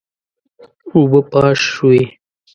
اوبه پاش شوې.